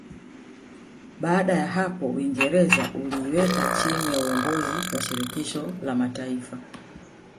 Baada ya hapo Uingereza uliiweka chini ya uongozi wa Shirikisho la Mataifa